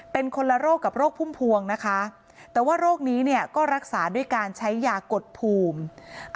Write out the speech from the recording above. เป็นคนละโรคกับโรคพุ่มพวงนะคะแต่ว่าโรคนี้เนี่ยก็รักษาด้วยการใช้ยากดภูมิ